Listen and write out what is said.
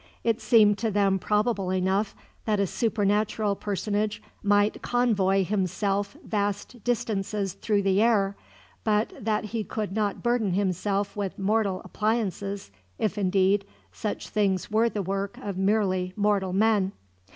It seemed to them probable enough that a supernatural personage might convoy himself vast distances through the air, but that he could not burden himself with mortal appliances if, indeed, such things were the work of merely mortal men.